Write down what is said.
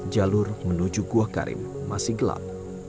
jalur menuju gua karim masih gelap